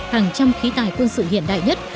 hàng trăm khí tài quân sự hiện đại nhất